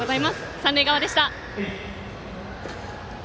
三塁側でした。